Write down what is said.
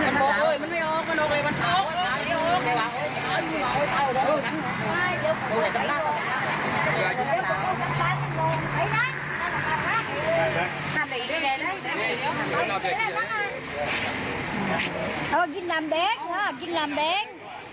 เรากินน้ำแดงเฮ้ากินน้ำแดง